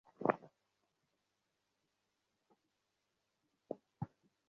সবাই টিভির সামনে চোখ বড়বড় করে বসে আছে।